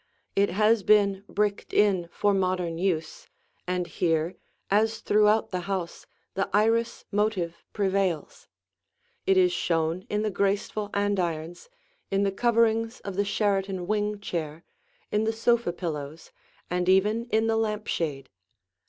It has been bricked in for modern use, and here, as throughout the house, the iris motive prevails. It is shown in the graceful andirons, in the coverings of the Sheraton wing chair, in the sofa pillows, and even in the lamp shade.